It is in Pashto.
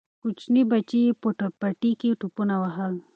کوچني بچي یې په پټي کې ټوپونه وهل.